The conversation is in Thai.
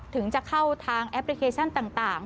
ถึงจะเข้าทางแอปพลิเคชันต่าง